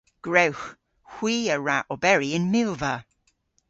Gwrewgh. Hwi a wra oberi yn milva.